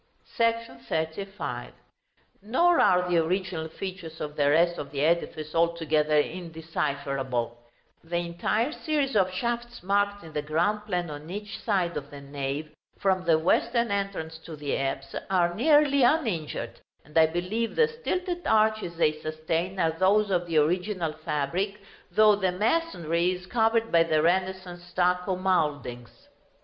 § XXXV. Nor are the original features of the rest of the edifice altogether indecipherable; the entire series of shafts marked in the ground plan on each side of the nave, from the western entrance to the apse, are nearly uninjured; and I believe the stilted arches they sustain are those of the original fabric, though the masonry is covered by the Renaissance stucco mouldings.